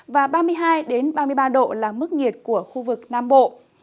và ba mươi hai ba mươi ba độ là mức nhiệt của khu vực nam bộ